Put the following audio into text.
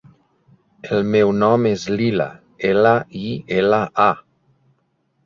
El meu nom és Lila: ela, i, ela, a.